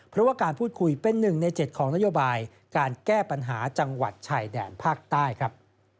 เพราะว่าการพูดคุยเป็น๑ใน๗ของนโยบายการแก้ปัญหาจังหวัดชายแดนภาคใต้ครับ